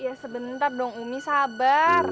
ya sebentar dong umi sabar